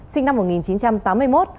sinh năm một nghìn chín trăm tám mươi một